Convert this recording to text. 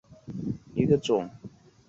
长穗柽柳为柽柳科柽柳属下的一个种。